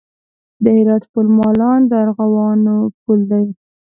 د هرات پل مالان د ارغوانو پل دی